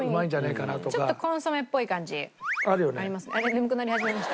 眠くなり始めました？